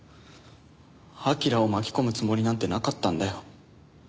彬を巻き込むつもりなんてなかったんだよ。